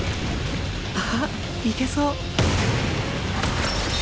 あっいけそう！